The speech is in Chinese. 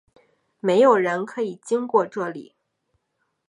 没有人可以经过这里！